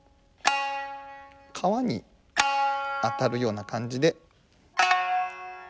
皮に当たるような感じで。